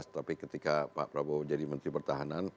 tapi ketika pak prabowo jadi menteri pertahanan